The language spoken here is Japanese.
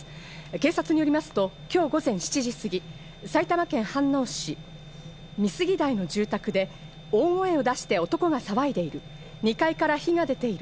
警察によりますと、今日午前７時すぎ、埼玉県飯能市美杉台の住宅で大声を出して男が騒いでいる。